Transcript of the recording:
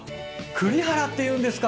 栗原っていうんですか！